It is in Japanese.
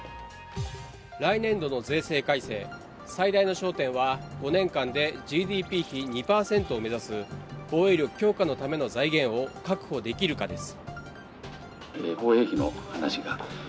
来年度の税制改正、最大の焦点は５年間でＧＤＰ比２％を目指す防衛力強化のための財源を確保できるかです。